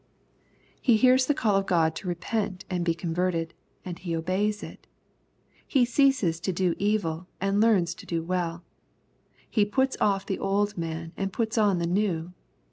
He hears the call of God t/O repent end be converted, and he obeys it. He ceases to do evil, and learns to do well. He puts off the old man, and puts on the new.